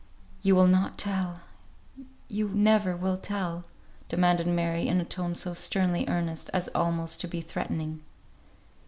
"You will not tell. You never will tell," demanded Mary, in a tone so sternly earnest, as almost to be threatening.